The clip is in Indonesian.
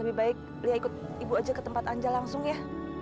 lebih baik belia ikut ibu aja ke tempat anda langsung ya